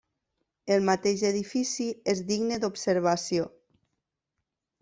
El mateix edifici és digne d'observació.